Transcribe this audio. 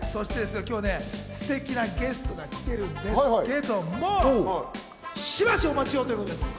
今日ね、ステキなゲストが来てるんですけども、しばしお待ちをということです。